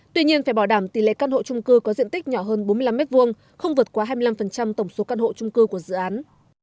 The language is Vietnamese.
tuy nhiên phải bảo đảm tỷ lệ căn hộ trung cư có diện tích nhỏ hơn bốn mươi năm m hai không vượt qua hai mươi năm tổng số căn hộ trung cư của dự án